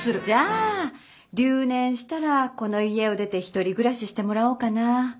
じゃあ留年したらこの家を出て１人暮らししてもらおうかなぁ。